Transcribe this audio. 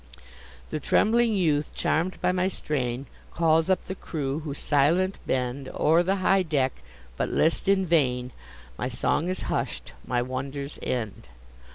The trembling youth, charm'd by my strain, Calls up the crew, who, silent, bend O'er the high deck, but list in vain; My song is hush'd, my wonders end!